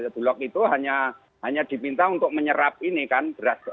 bulog itu hanya dipinta untuk menyerap ini kan beras